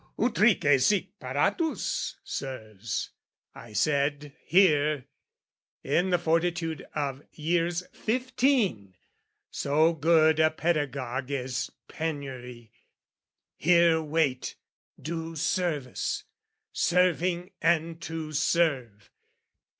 Utrique sic paratus, Sirs, I said "Here," (in the fortitude of years fifteen, So good a pedagogue is penury) "Here wait, do service, serving and to serve!